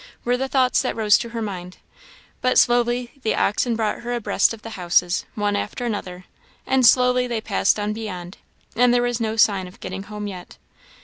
were the thoughts that rose to her mind. But slowly the oxen brought her abreast of the houses, one after another, and slowly they passed on beyond, and there was no sign of getting home yet.